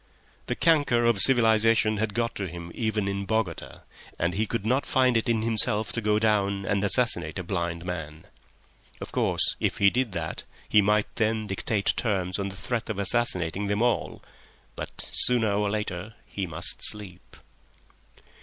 The canker of civilisation had got to him even in Bogota, and he could not find it in himself to go down and assassinate a blind man. Of course, if he did that, he might then dictate terms on the threat of assassinating them all. But—Sooner or later he must sleep!